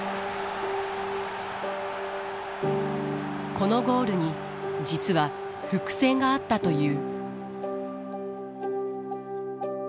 このゴールに実は伏線があったという。